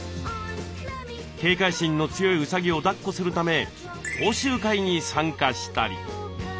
警戒心の強いうさぎをだっこするため講習会に参加したり。